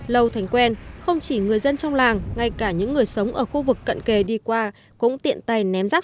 lâu thành quen không chỉ người dân trong làng ngay cả những người sống ở khu vực cận kề đi qua cũng tiện tay ném rác